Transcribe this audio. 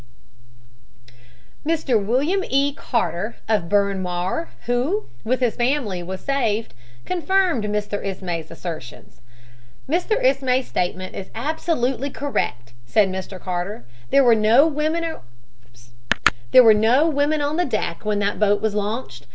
Mr. William E. Carter, of Bryn Mawr, who, with his family, was saved, confirmed Mr. Ismay's assertions. "Mr. Ismay's statement is absolutely correct," said Mr. Carter. "There were no women on the deck when that boat was launched.